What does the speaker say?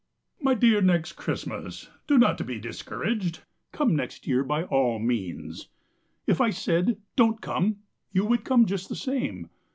My dear Next Christmas, Do not be discouraged, Come next year by all means; If I said "Don't come" You would come just the same.